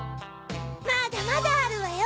まだまだあるわよ。